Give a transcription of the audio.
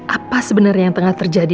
apa sebenarnya yang tengah terjadi